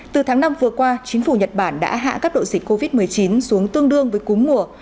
từ tháng năm vừa qua chính phủ nhật bản đã hạ cấp độ dịch covid một mươi chín xuống tương đương với cúm mùa